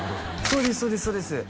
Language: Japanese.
そうですそうですそうです